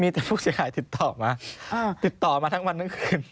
มีแต่ผู้เสียหายติดต่อมาติดต่อมาทั้งวันทั้งคืน